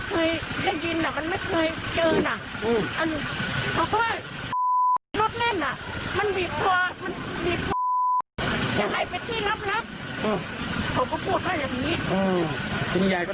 ก็ถามใครได้เลี้ยงหลานก่อนถึงถูแกล้งกำลัวใช่ไหมครับ